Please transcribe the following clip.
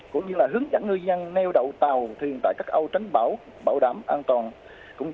cũng như là hướng dẫn ngư dân neo đậu tàu thuyền tại các âu tránh bão bảo đảm an toàn